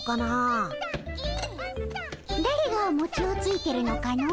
だれがもちをついてるのかの？